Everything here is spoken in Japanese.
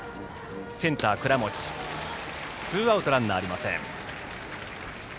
センター倉持とってツーアウトランナーありません。